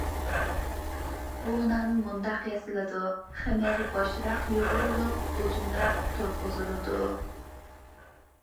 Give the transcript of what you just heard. بۇ نان مۇنداق ياسىلىدۇ: خېمىر بوشراق يۇغۇرۇلۇپ، ئۇزۇنراق تۇرغۇزۇلىدۇ.